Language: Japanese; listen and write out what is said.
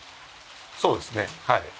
そうですねはい。